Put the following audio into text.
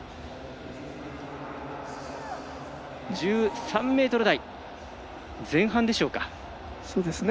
１３ｍ台前半でしょうか。